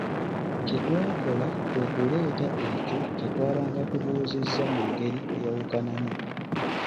Kye twakola kwe kuleeta ekyo kye twabanga tubuuzizza mu ngeri eyawukanamu.